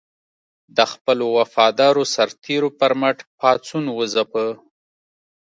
د خپلو وفادارو سرتېرو پر مټ پاڅون وځپه.